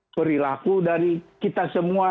perilaku dari kita semua